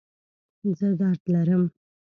زه درد لرم